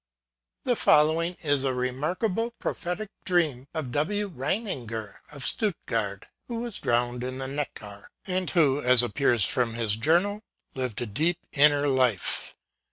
The following is a remarkable prophetic dream of W. Reiniger, of Stuttgart, who was drowned in the Neckar, and who, as appears from his journal, lived a deep inner life.